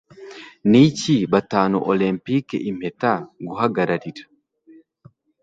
Ni iki Batanu Olempike impeta Guhagararira